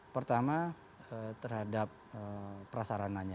pertama terhadap prasarananya